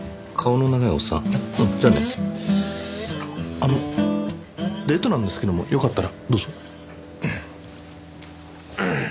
あのデートなんですけどもよかったらどうぞ。